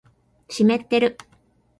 湿ってる